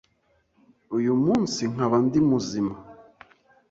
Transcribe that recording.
uyu munsi nkaba ndi muzima